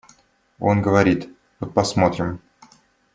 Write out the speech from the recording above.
Он говорит: «Вот посмотрим».